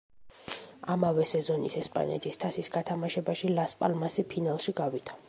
ამავე სეზონის ესპანეთის თასის გათამაშებაში, „ლას-პალმასი“ ფინალში გავიდა.